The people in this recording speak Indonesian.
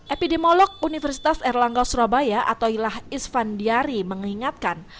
epidemolog universitas erlangga surabaya atau ilah isvan diari mengingatkan